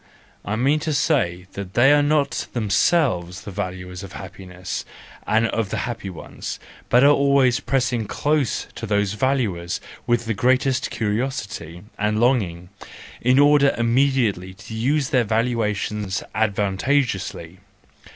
I mean to say that they are not themselves the valuers of happiness and of the happy ones, but they always press close to these valuers with the greatest curiosity and longing, in order immediately to use their valuations advantageously.